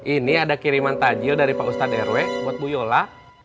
ini ada kiriman tajil dari pak ustadz rw buat bu yola